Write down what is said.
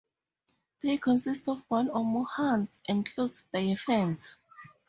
They consist of one or more huts enclosed by a fence.